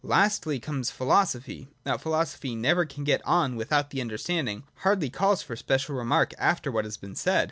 Lastly comes Philosophy. That Philosophy never can get on without the understanding hardly calls for special remark after what has been said.